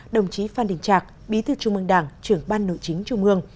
đồng chí phan đình trạc bí thư trung mương đảng trưởng ban nội chính trung ương